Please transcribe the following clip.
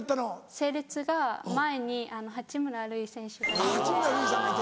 整列が前に八村塁選手がいて。